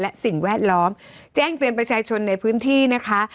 และสิ่งแวดล้อมแจ้งเตือนประชาชนในพื้นที่นะคะ